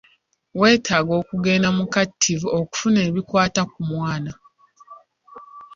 Weetaaga okugenda mu kattivi okufuna ebikwata ku mwana.